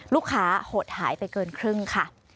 ลูกค้าโหดหายไปเกินครึ่งค่ะ